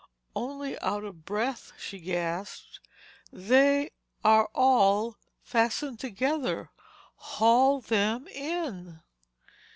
"Only—out of—breath," she gasped. "They—are all—fastened together. Haul them in."